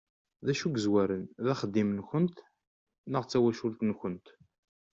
D acu i yezwaren, d axeddim-nkent neɣ d tawacult-nkent?